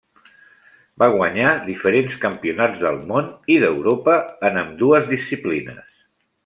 Va guanyar diferents campionats del món i d'Europa en ambdues disciplines.